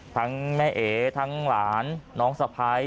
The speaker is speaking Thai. แม่เอ๋ทั้งหลานน้องสะพ้าย